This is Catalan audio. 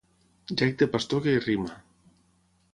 Gec de pastor que hi rima.